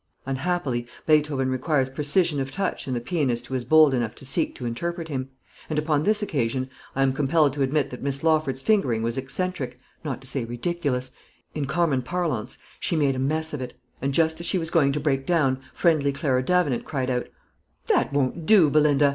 Unhappily, Beethoven requires precision of touch in the pianist who is bold enough to seek to interpret him; and upon this occasion I am compelled to admit that Miss Lawford's fingering was eccentric, not to say ridiculous, in common parlance, she made a mess of it; and just as she was going to break down, friendly Clara Davenant cried out, "That won't do, Belinda!